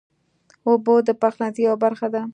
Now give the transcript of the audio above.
اوبه د پخلنځي یوه برخه ده.